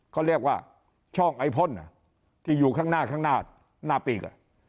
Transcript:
เขาเรียกว่าช่องไอพ่นที่อยู่ข้างหน้าข้างหน้าหน้าปีก